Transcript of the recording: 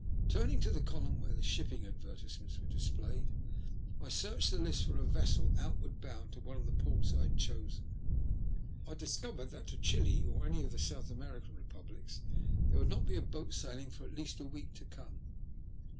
Turning to the column where the shipping advertisements were displayed, I searched the list for a vessel outward bound to one of the ports I had chosen. I discovered that to Chili or any of the South American Eepublics there would not be a boat sailing for at least a week to come.